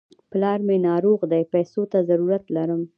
پلار مې ناروغ دی، پيسو ته ضرورت لرم.